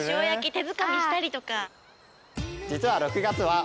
手づかみしたりとか。